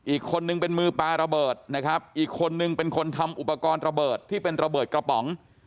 อีกคนนึงเป็นมือปลาระเบิดนะครับอีกคนนึงเป็นคนทำอุปกรณ์ระเบิดที่เป็นระเบิดกระป๋อง